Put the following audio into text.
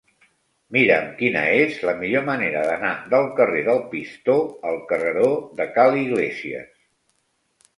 Mira'm quina és la millor manera d'anar del carrer del Pistó al carreró de Ca l'Iglésies.